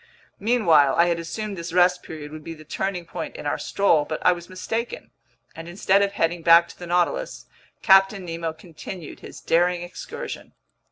Meanwhile I had assumed this rest period would be the turning point in our stroll, but I was mistaken; and instead of heading back to the Nautilus, Captain Nemo continued his daring excursion.